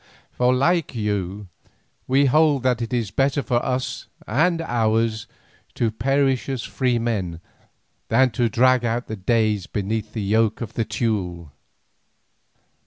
For like you we hold that it is better for us and ours to perish as free men than to drag out our days beneath the yoke of the Teule."